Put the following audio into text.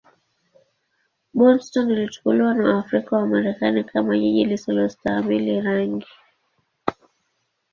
Boston ilichukuliwa na Waafrika-Wamarekani kama jiji lisilostahimili rangi.